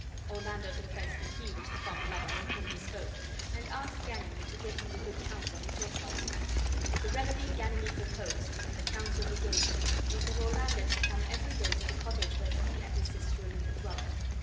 Orlando confessed that he was the fond lover of whom he spoke,, and asked Ganymede to give him the good counsel he talked Of. The remedy Ganymede proposed, and the counsel he gave him was that Orlando should come every day to the cottage where he and his sister Aliena dwelt.